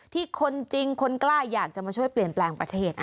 คนจริงคนกล้าอยากจะมาช่วยเปลี่ยนแปลงประเทศ